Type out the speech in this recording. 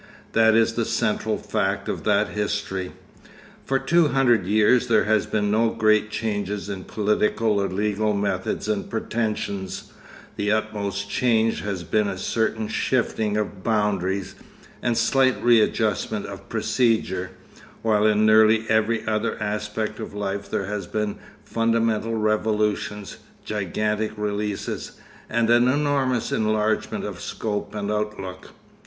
That is the central fact of that history. For two hundred years there had been no great changes in political or legal methods and pretensions, the utmost change had been a certain shifting of boundaries and slight readjustment of procedure, while in nearly every other aspect of life there had been fundamental revolutions, gigantic releases, and an enormous enlargement of scope and outlook.